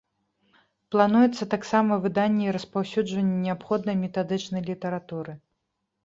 Плануецца таксама выданне і распаўсюджванне неабходнай метадычнай літаратуры.